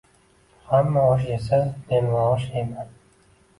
Hamma osh yesa men mosh yeyman